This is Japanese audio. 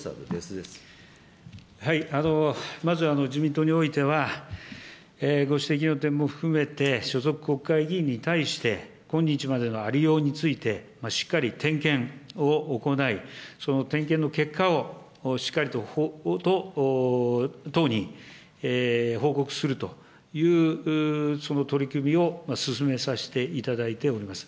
まず、自民党においては、ご指摘の点も含めて、所属国会議員に対して、今日までのありようについて、しっかり点検を行い、その点検の結果をしっかりと党に報告するというその取り組みを進めさせていただいております。